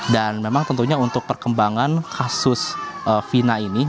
dan memang tentunya untuk perkembangan kasus vina ini